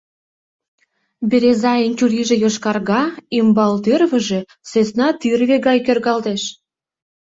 Березайын чурийже йошкарга, ӱмбал тӱрвыжӧ сӧсна тӱрвӧ гай кӧргалтеш.